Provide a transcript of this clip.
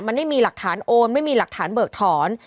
มันไม่มีหลักฐานโอนไม่มีหลักฐานเบิกถอน